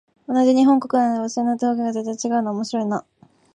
同じ日本国内なのに、場所によって方言が全然違うのは面白いなあ。